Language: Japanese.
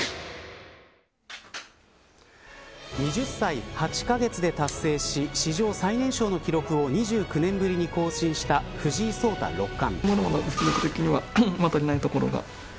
２０歳８カ月で達成し史上最年少の記録を２９年ぶりに更新した藤井聡太六冠。